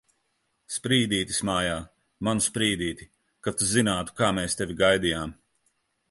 Sprīdītis mājā! Manu Sprīdīti! Kad tu zinātu, kā mēs tevi gaidījām!